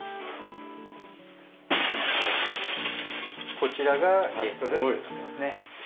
こちらがゲストルームになってますね。